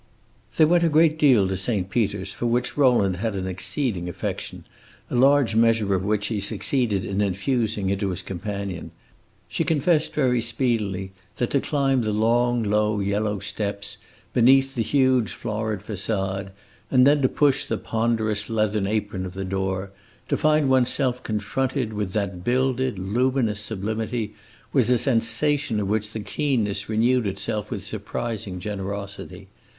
They went a great deal to Saint Peter's, for which Rowland had an exceeding affection, a large measure of which he succeeded in infusing into his companion. She confessed very speedily that to climb the long, low, yellow steps, beneath the huge florid facade, and then to push the ponderous leathern apron of the door, to find one's self confronted with that builded, luminous sublimity, was a sensation of which the keenness renewed itself with surprising generosity.